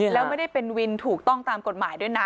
แล้วไม่ได้เป็นวินถูกต้องตามกฎหมายด้วยนะ